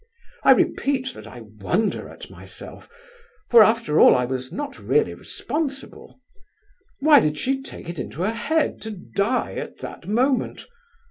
I repeat that I wonder at myself, for after all I was not really responsible. Why did she take it into her head to die at that moment?